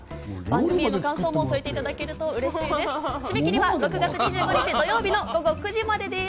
番組の感想も添えていただけると嬉しいです。